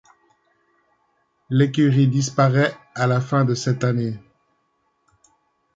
L'écurie disparaît à la fin de cette année.